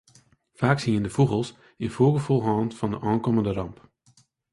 Faaks hiene dy fûgels in foargefoel hân fan de oankommende ramp.